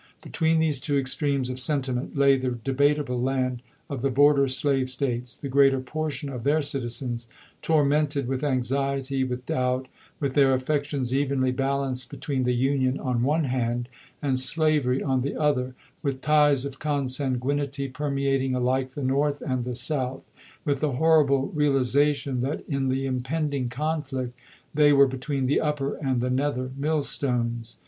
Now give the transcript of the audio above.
Between these two extremes of sentiment lay the debatable land of the border slave States, the greater portion of their citizens tormented with anxiety, with doubt, with their affections evenly balanced between the Union on one hand and slavery on the other; with ties of consanguinity permeating alike the North and the South; with the horrible realization that in the impending conflict they were between the upper and the nether millstones.